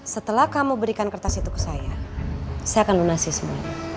setelah kamu berikan kertas itu ke saya saya akan lunasi sebenarnya